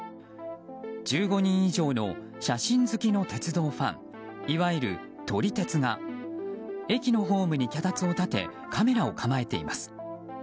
１５人以上の写真好きの鉄道ファンいわゆる撮り鉄が駅のホームに脚立を立てカメラを構えています。